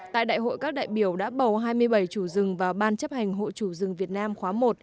tại đại hội các đại biểu đã bầu hai mươi bảy chủ rừng vào ban chấp hành hội chủ rừng việt nam khóa một